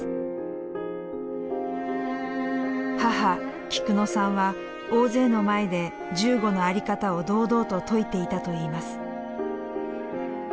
母キクノさんは大勢の前で銃後の在り方を堂々と説いていたといいます。